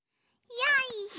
よいしょ。